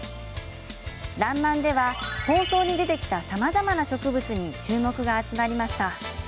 「らんまん」では放送に出てきたさまざまな植物に注目が集まりました。